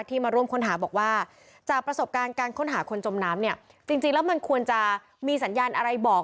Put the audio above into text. มาร่วมค้นหาบอกว่าจากประสบการณ์การค้นหาคนจมน้ำเนี่ยจริงแล้วมันควรจะมีสัญญาณอะไรบอก